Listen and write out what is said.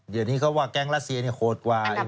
เดี๋ยวนี้เขาว่าแก๊งรัสเซียเนี่ยโหดกว่าอันดับหนึ่ง